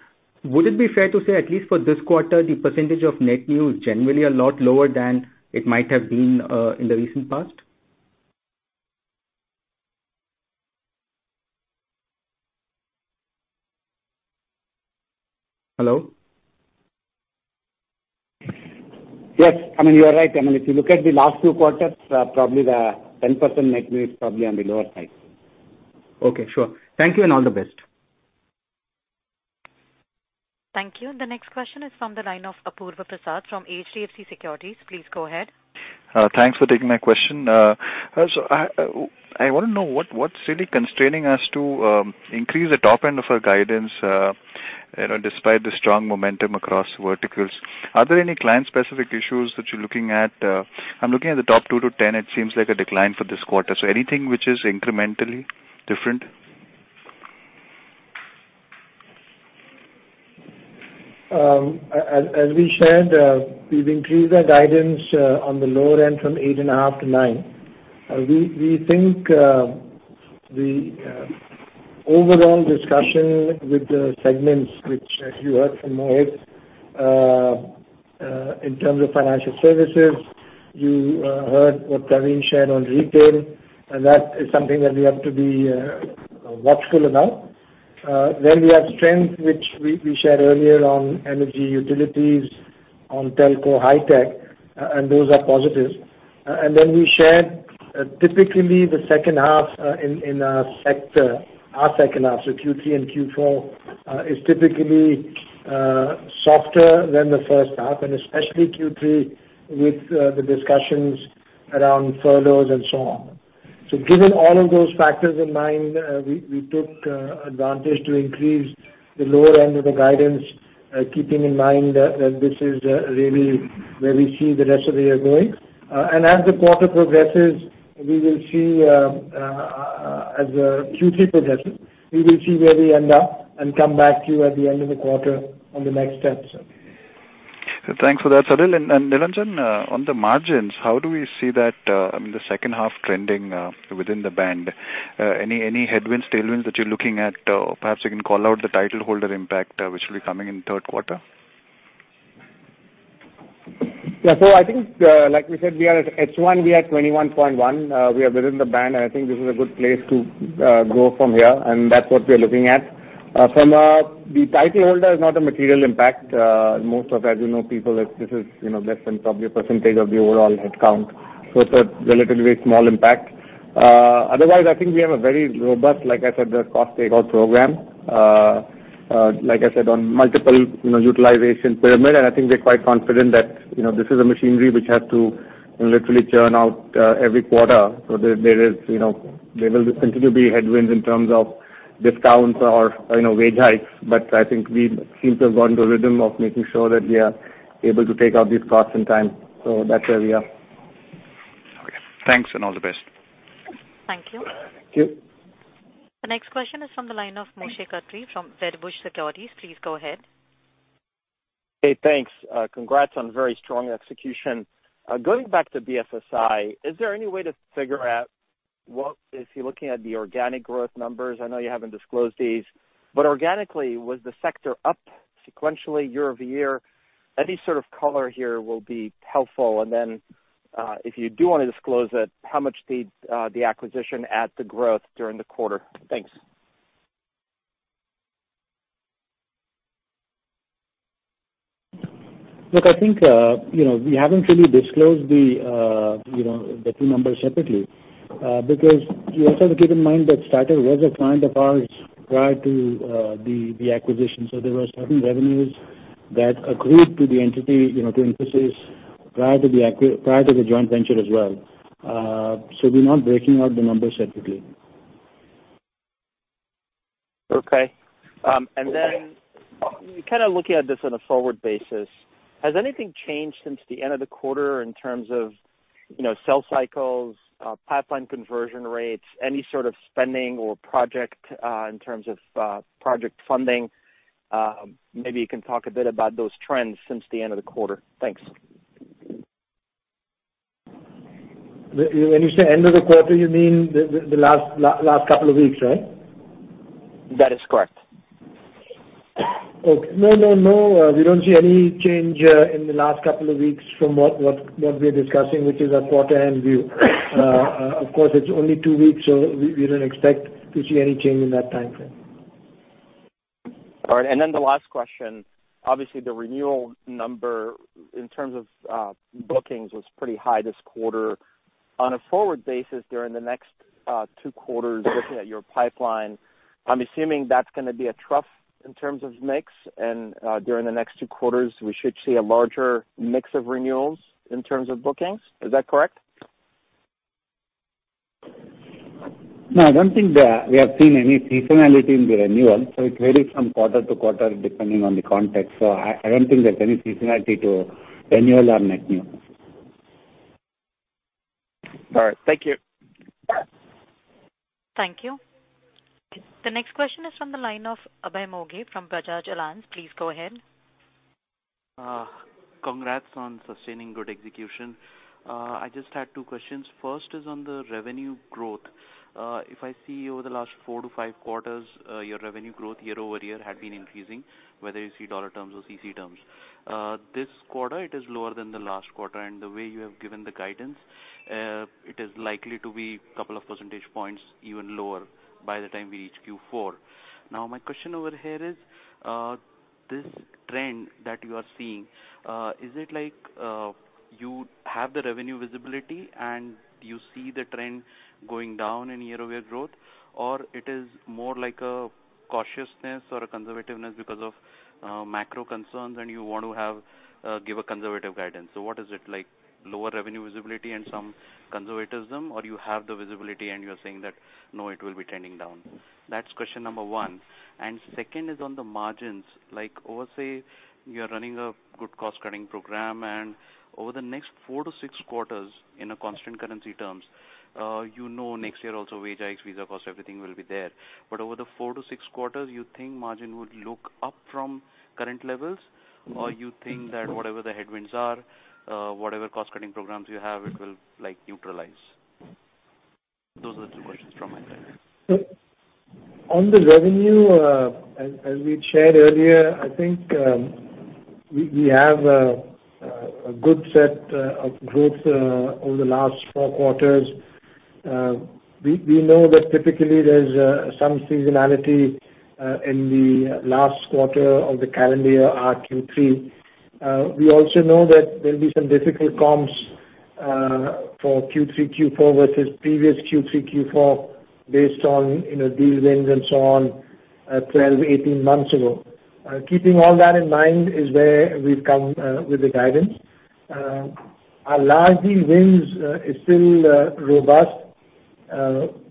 Would it be fair to say, at least for this quarter, the percentage of net new is generally a lot lower than it might have been in the recent past? Hello? Yes. You are right. If you look at the last few quarters, probably the 10% net new is probably on the lower side. Okay. Sure. Thank you and all the best. Thank you. The next question is from the line of Apurva Prasad from HDFC Securities. Please go ahead. Thanks for taking my question. I want to know what's really constraining us to increase the top end of our guidance despite the strong momentum across verticals. Are there any client-specific issues that you're looking at? I'm looking at the top 2-10. It seems like a decline for this quarter. Anything which is incrementally different? As we shared, we've increased our guidance on the lower end from eight and a half to nine. We think the overall discussion with the segments, which as you heard from Mohit, in terms of financial services, you heard what Pravin shared on retail, that is something that we have to be watchful about. We have strength, which we shared earlier on energy utilities, on telco, high tech, those are positive. We shared typically the second half in our sector. Our second half, so Q3 and Q4, is typically softer than the first half, especially Q3 with the discussions around furloughs and so on. Given all of those factors in mind, we took advantage to increase the lower end of the guidance, keeping in mind that this is really where we see the rest of the year going. As the quarter progresses, as Q3 progresses, we will see where we end up and come back to you at the end of the quarter on the next steps. Thanks for that, Salil. Nilanjan, on the margins, how do we see that, the second half trending within the band? Any headwinds, tailwinds that you're looking at? Perhaps you can call out the title holder impact, which will be coming in third quarter. Yeah. I think, like we said, we are at H1, we are at 21.1. We are within the band, and I think this is a good place to grow from here. That's what we are looking at. From the title holder is not a material impact. Most of, as you know, people, this is less than probably 1% of the overall headcount. It's a relatively small impact. Otherwise, I think we have a very robust, like I said, cost takeout program. Like I said, on multiple utilization pyramid, and I think we're quite confident that this is a machinery which has to literally churn out every quarter. There will continue to be headwinds in terms of discounts or wage hikes, but I think we seem to have gotten to a rhythm of making sure that we are able to take out these costs in time. That's where we are. Thanks, and all the best. Thank you. Thank you. The next question is from the line of Moshe Katri from Wedbush Securities. Please go ahead. Hey, thanks. Congrats on very strong execution. Going back to BFSI, is there any way to figure out if you're looking at the organic growth numbers? I know you haven't disclosed these. Organically, was the sector up sequentially year-over-year? Any sort of color here will be helpful. If you do want to disclose it, how much did the acquisition add to growth during the quarter? Thanks. I think, we haven't really disclosed the two numbers separately. You also have to keep in mind that Stater was a client of ours prior to the acquisition. There were certain revenues that accrued to Infosys prior to the joint venture as well. We're not breaking out the numbers separately. Okay. Okay. Looking at this on a forward basis, has anything changed since the end of the quarter in terms of sales cycles, pipeline conversion rates, any sort of spending or project in terms of project funding? Maybe you can talk a bit about those trends since the end of the quarter. Thanks. When you say end of the quarter, you mean the last couple of weeks, right? That is correct. Okay. No, we don't see any change in the last couple of weeks from what we're discussing, which is a quarter-end view. Of course, it's only two weeks, so we don't expect to see any change in that timeframe. All right. The last question, obviously the renewal number in terms of bookings was pretty high this quarter. On a forward basis during the next two quarters, looking at your pipeline, I'm assuming that's going to be a trough in terms of mix and during the next two quarters we should see a larger mix of renewals in terms of bookings. Is that correct? No, I don't think that we have seen any seasonality in the renewal, it varies from quarter to quarter depending on the context. I don't think there's any seasonality to renewal or net new. All right. Thank you. Thank you. The next question is from the line of Abhay Moghe from Bajaj Allianz. Please go ahead. Congrats on sustaining good execution. I just had two questions. First is on the revenue growth. If I see over the last four to five quarters, your revenue growth year-over-year had been increasing, whether you see USD terms or CC terms. This quarter, it is lower than the last quarter, and the way you have given the guidance, it is likely to be a couple of percentage points even lower by the time we reach Q4. My question over here is, this trend that you are seeing, is it like you have the revenue visibility and you see the trend going down in year-over-year growth? Or it is more like a cautiousness or a conservativeness because of macro concerns and you want to give a conservative guidance. What is it? Lower revenue visibility and some conservatism, or you have the visibility and you're saying that, no, it will be trending down? That's question number one. Second is on the margins. Over, say, you're running a good cost-cutting program and over the next four to six quarters in a constant currency terms, you know next year also wage hikes, visa cost, everything will be there. Over the four to six quarters, you think margin would look up from current levels? You think that whatever the headwinds are, whatever cost-cutting programs you have, it will neutralize? Those are the two questions from my side. On the revenue, as we shared earlier, I think we have a good set of growth over the last four quarters. We know that typically there's some seasonality in the last quarter of the calendar year, our Q3. We also know that there'll be some difficult comps for Q3, Q4 versus previous Q3, Q4 based on deal wins and so on, 12-18 months ago. Keeping all that in mind is where we've come with the guidance. Our large deal wins is still robust.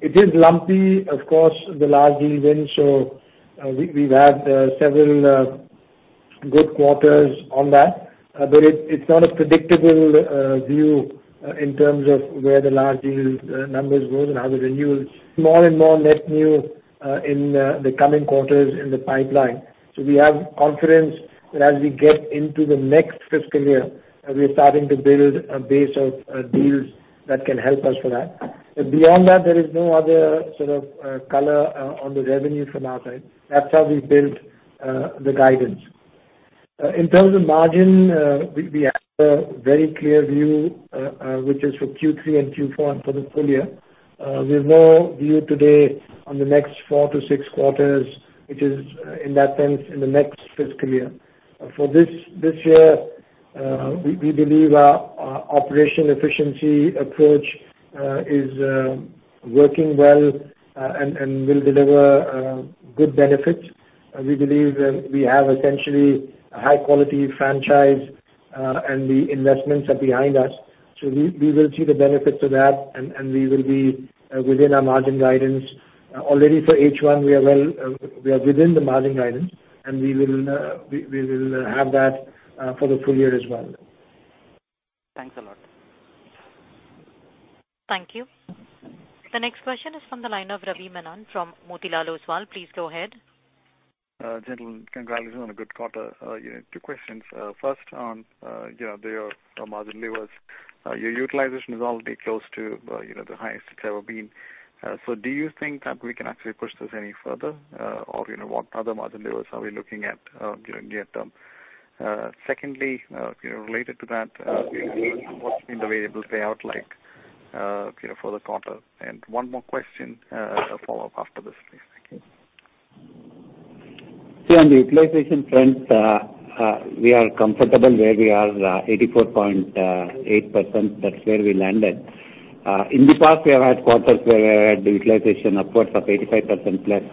It is lumpy, of course, the large deal wins. We've had several good quarters on that. It's not a predictable view in terms of where the large deals numbers goes and how the renewals. More and more net new in the coming quarters in the pipeline. We have confidence that as we get into the next fiscal year, we're starting to build a base of deals that can help us for that. Beyond that, there is no other sort of color on the revenue from our side. That's how we've built the guidance. In terms of margin, we have a very clear view, which is for Q3 and Q4 and for the full year. We have no view today on the next four to six quarters, which is in that sense in the next fiscal year. For this year. We believe our operational efficiency approach is working well and will deliver good benefits. We believe that we have essentially a high-quality franchise, and the investments are behind us. We will see the benefits of that, and we will be within our margin guidance. Already for H1, we are within the margin guidance, and we will have that for the full year as well. Thanks a lot. Thank you. The next question is from the line of Ravi Menon from Motilal Oswal. Please go ahead. Gentlemen, congratulations on a good quarter. Two questions. First on your margin levers. Your utilization is already close to the highest it's ever been. Do you think that we can actually push this any further? What other margin levers are we looking at during the term? Secondly, related to that, what's been the variable payout like for the quarter? One more question, a follow-up after this, please. Thank you. On the utilization front, we are comfortable where we are, 84.8%, that's where we landed. In the past we have had quarters where we've had the utilization upwards of 85% plus.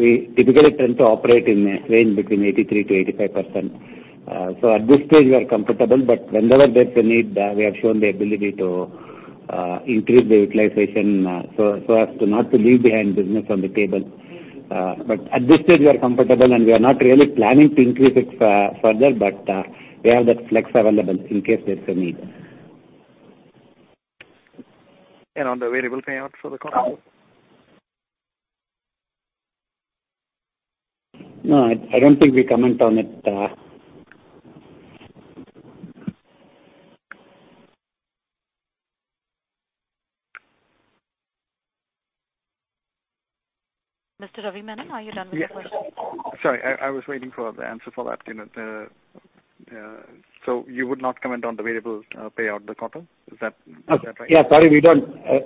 We typically tend to operate in a range between 83%-85%. At this stage, we are comfortable, but whenever there's a need, we have shown the ability to increase the utilization so as to not to leave behind business on the table. At this stage, we are comfortable, and we are not really planning to increase it further. We have that flex available in case there's a need. On the variable payout for the quarter? No, I don't think we comment on it. Mr. Ravi Menon, are you done with your questions? Sorry, I was waiting for the answer for that. You would not comment on the variables payout in the quarter? Is that right? Yeah, sorry.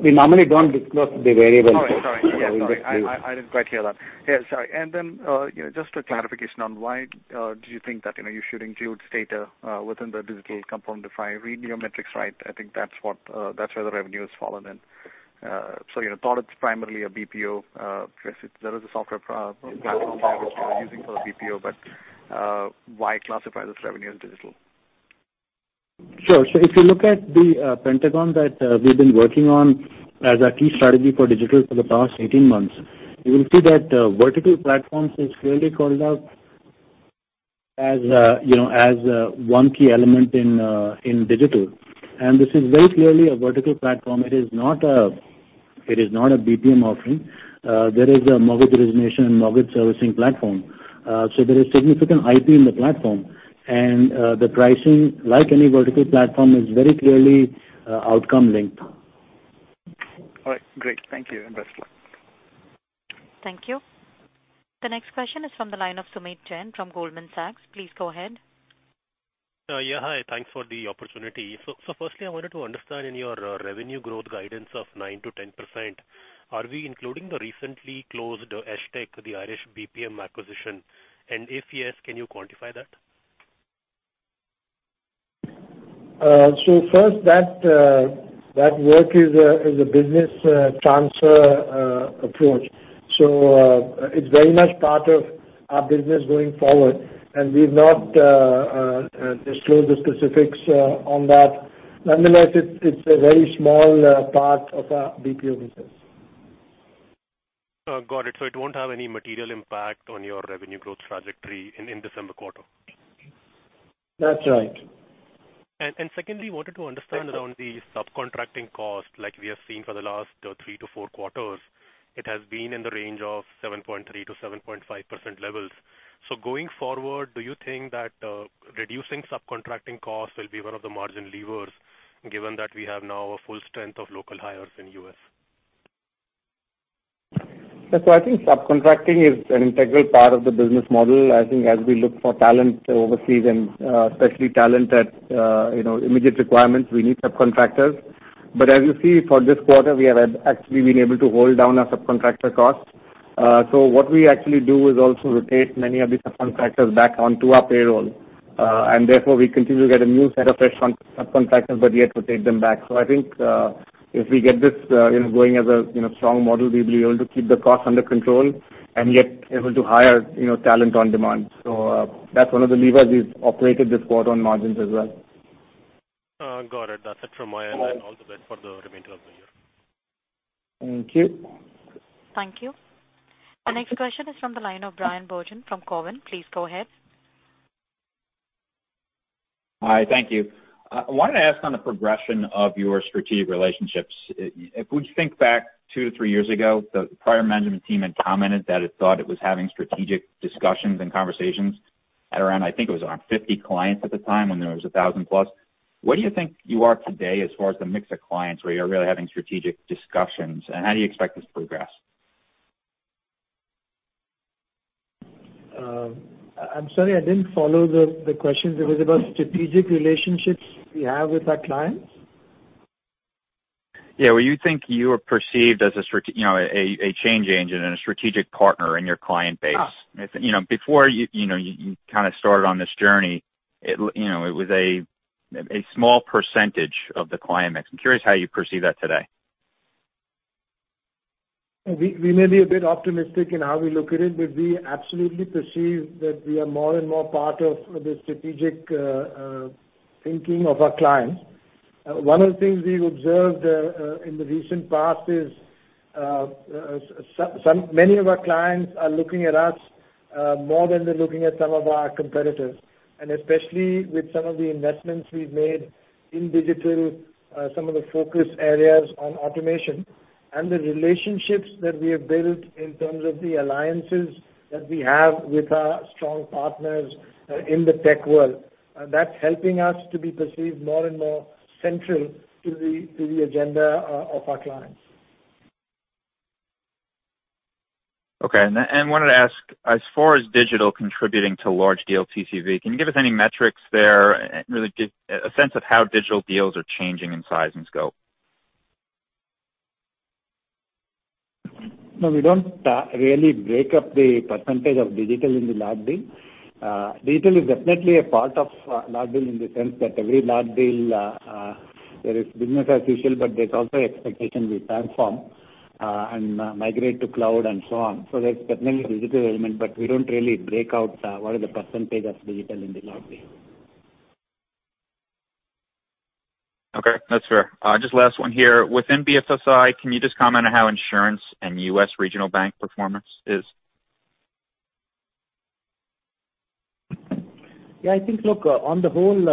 We normally don't disclose the variable. Sorry. I didn't quite hear that. Yeah, sorry. Just a clarification on why do you think that you should include Stater within the digital component? If I read your metrics right, I think that's where the revenue has fallen in. You thought it's primarily a BPM. There is a software platform that you are using for the BPM, why classify this revenue as digital? Sure. If you look at the pentagon that we've been working on as our key strategy for digital for the past 18 months, you will see that vertical platforms is clearly called out as one key element in digital. This is very clearly a vertical platform. It is not a BPO offering. There is a mortgage origination and mortgage servicing platform. There is significant IP in the platform. The pricing, like any vertical platform, is very clearly outcome linked. All right, great. Thank you, and best luck. Thank you. The next question is from the line of Sumit Jain from Goldman Sachs. Please go ahead. Hi, thanks for the opportunity. Firstly, I wanted to understand in your revenue growth guidance of 9% to 10%, are we including the recently closed Eishtec, the Irish BPM acquisition, and if yes, can you quantify that? First, that work is a business transfer approach. It's very much part of our business going forward, and we've not disclosed the specifics on that. Nonetheless, it's a very small part of our BPO business. Got it. It won't have any material impact on your revenue growth trajectory in December quarter? That's right. Secondly, wanted to understand around the subcontracting cost, like we have seen for the last three to four quarters, it has been in the range of 7.3%-7.5% levels. Going forward, do you think that reducing subcontracting costs will be one of the margin levers, given that we have now a full strength of local hires in U.S.? I think subcontracting is an integral part of the business model. I think as we look for talent overseas and especially talent at immediate requirements, we need subcontractors. As you see for this quarter, we have actually been able to hold down our subcontractor costs. What we actually do is also rotate many of the subcontractors back onto our payroll. Therefore, we continue to get a new set of fresh subcontractors, but yet rotate them back. I think, if we get this going as a strong model, we'll be able to keep the costs under control and yet able to hire talent on demand. That's one of the levers we've operated this quarter on margins as well. Got it. That's it from my end. All the best for the remainder of the year. Thank you. Thank you. The next question is from the line of Bryan Bergin from Cowen. Please go ahead. Hi, thank you. I wanted to ask on the progression of your strategic relationships. If we think back two to three years ago, the prior management team had commented that it thought it was having strategic discussions and conversations at around, I think it was around 50 clients at the time when there was 1,000 plus. Where do you think you are today as far as the mix of clients where you're really having strategic discussions, and how do you expect this to progress? I'm sorry, I didn't follow the question. It was about strategic relationships we have with our clients? Yeah. Where you think you are perceived as a change agent and a strategic partner in your client base? Before you kind of started on this journey, it was a small percentage of the client mix. I'm curious how you perceive that today? We may be a bit optimistic in how we look at it, but we absolutely perceive that we are more and more part of the strategic thinking of our clients. One of the things we've observed in the recent past is. Many of our clients are looking at us more than they're looking at some of our competitors, and especially with some of the investments we've made in digital, some of the focus areas on automation, and the relationships that we have built in terms of the alliances that we have with our strong partners in the tech world. That's helping us to be perceived more and more central to the agenda of our clients. Okay. I wanted to ask, as far as digital contributing to large deal TCV, can you give us any metrics there, really give a sense of how digital deals are changing in size and scope? No, we don't really break up the percentage of digital in the large deal. Digital is definitely a part of a large deal in the sense that every large deal, there is business as usual, but there's also expectation we transform and migrate to cloud and so on. There's definitely a digital element, but we don't really break out what is the percentage of digital in the large deal. Okay, that's fair. Just last one here. Within BFSI, can you just comment on how insurance and U.S. regional bank performance is? I think, look, on the whole,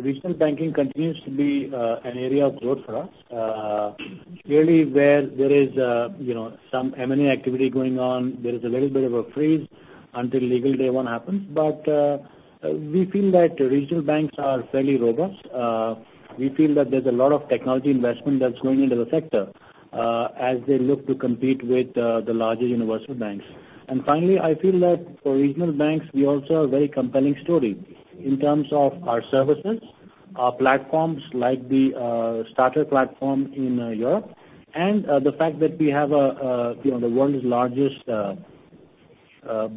regional banking continues to be an area of growth for us. Really, where there is some M&A activity going on, there is a little bit of a freeze until legal day one happens. We feel that regional banks are fairly robust. We feel that there's a lot of technology investment that's going into the sector as they look to compete with the larger universal banks. Finally, I feel that for regional banks, we also are a very compelling story in terms of our services, our platforms like the Stater platform in Europe, and the fact that we have the world's largest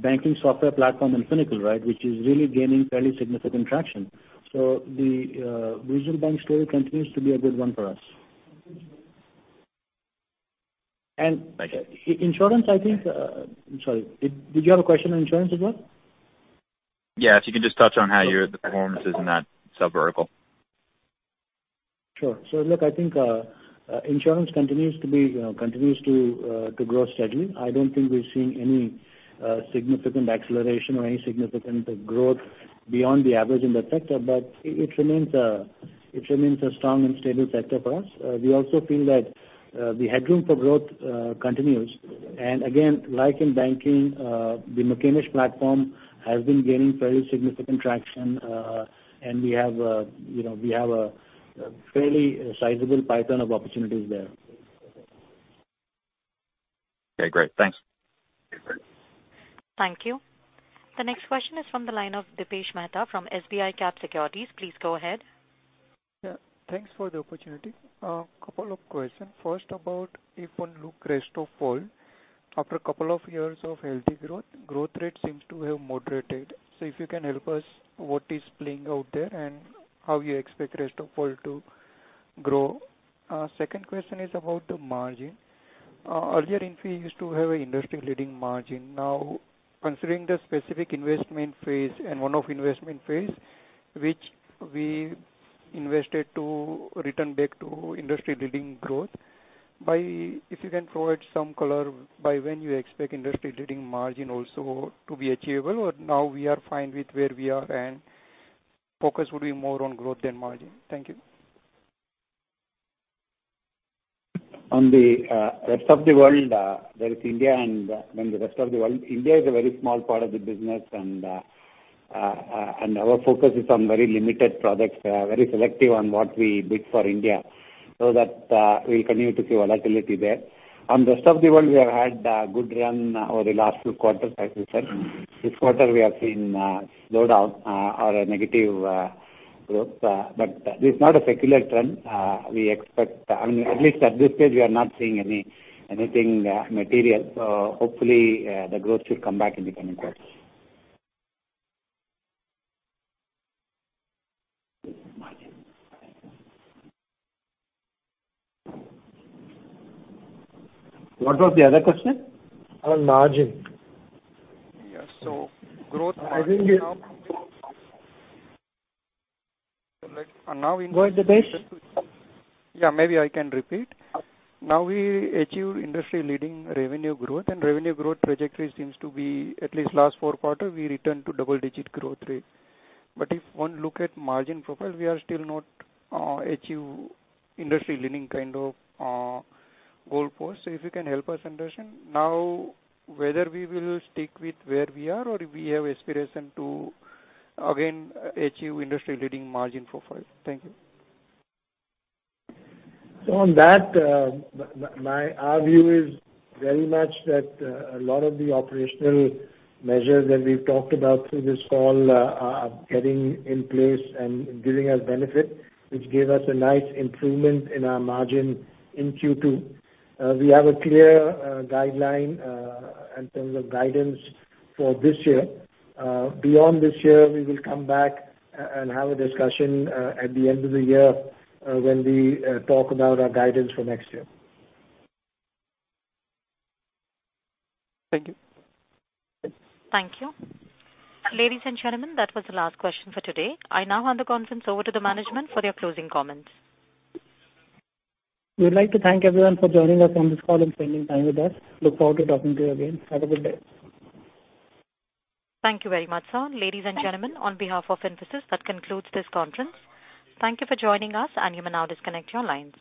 banking software platform, Finacle, right? Which is really gaining fairly significant traction. The regional bank story continues to be a good one for us. Thank you. Insurance, I think I'm sorry. Did you have a question on insurance as well? Yes, if you could just touch on how your performance is in that sub-vertical? Sure. Look, I think insurance continues to grow steadily. I don't think we're seeing any significant acceleration or any significant growth beyond the average in that sector, but it remains a strong and stable sector for us. We also feel that the headroom for growth continues. Again, like in banking, the McCamish platform has been gaining fairly significant traction. We have a fairly sizable pipeline of opportunities there. Okay, great. Thanks. Thank you. The next question is from the line of Dipesh Mehta from SBICAP Securities. Please go ahead. Yeah, thanks for the opportunity. A couple of questions. First, about if one look rest of world. After a couple of years of healthy growth rate seems to have moderated. If you can help us, what is playing out there, and how you expect rest of world to grow? Second question is about the margin. Earlier, Info used to have an industry-leading margin. Now, considering the specific investment phase and one-off investment phase, which we invested to return back to industry-leading growth. If you can provide some color by when you expect industry-leading margin also to be achievable, or now we are fine with where we are and focus will be more on growth than margin. Thank you. On the rest of the world, there is India and then the rest of the world. India is a very small part of the business, and our focus is on very limited products. We are very selective on what we bid for India, so that we'll continue to see volatility there. On rest of the world, we have had a good run over the last few quarters as we said. This quarter, we have seen a slowdown or a negative growth. This is not a secular trend. At least at this stage, we are not seeing anything material. Hopefully, the growth should come back in the coming quarters. What was the other question? On margin. Yeah. Go ahead, Dipesh. Yeah, maybe I can repeat. Now we achieve industry-leading revenue growth, revenue growth trajectory seems to be, at least last four quarters, we return to double-digit growth rate. If one look at margin profile, we are still not achieve industry-leading kind of goal post. If you can help us understand now whether we will stick with where we are or if we have aspiration to again achieve industry-leading margin profile. Thank you. On that, our view is very much that a lot of the operational measures that we've talked about through this call are getting in place and giving us benefit, which gave us a nice improvement in our margin in Q2. We have a clear guideline in terms of guidance for this year. Beyond this year, we will come back and have a discussion at the end of the year when we talk about our guidance for next year. Thank you. Thank you. Ladies and gentlemen, that was the last question for today. I now hand the conference over to the management for their closing comments. We'd like to thank everyone for joining us on this call and spending time with us. We look forward to talking to you again. Have a good day. Thank you very much, sir. Ladies and gentlemen, on behalf of Infosys, that concludes this conference. Thank you for joining us, and you may now disconnect your lines.